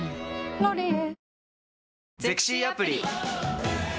「ロリエ」